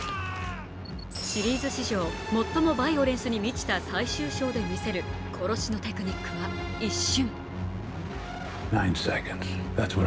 シリーズ史上最もバイオレンスに満ちた最終章で見せる殺しのテクニックは一瞬！